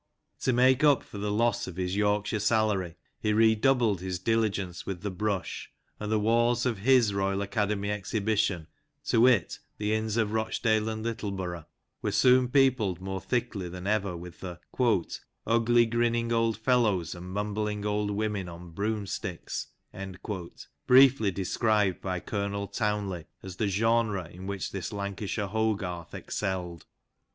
To make up for the loss of his Yorkshire salary, he redoubled his diligence with the brush, and the walls oihis Royal Academy Exhibition — to wit, the inns of Rochdale and Littleborough — were soon peopled more thickly than ever with the " ugly grinning old fellows, and mumbling old women on broom sticks," briefly described by Colonel Townley as the genre in which this Lancashire Hogarth excelled.